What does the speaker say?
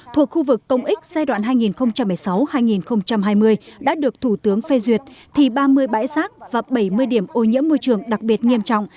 thuộc khu vực công ích giai đoạn hai nghìn một mươi sáu hai nghìn hai mươi đã được thủ tướng phê duyệt thì ba mươi bãi rác và bảy mươi điểm ô nhiễm môi trường đặc biệt nghiêm trọng